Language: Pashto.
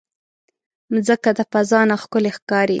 مځکه د فضا نه ښکلی ښکاري.